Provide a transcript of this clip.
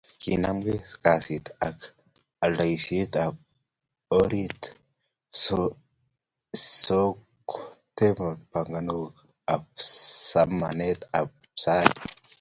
Kinamnge kaniset ak alandaisiet ab orit so kotaret panganutik ab somanet ab kasit